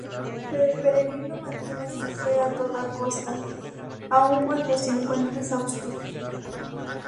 Pero el peregrino mantiene su fe a toda costa, aun cuando se encuentra exhausto.